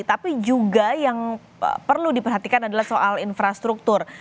tapi juga yang perlu diperhatikan adalah soal infrastruktur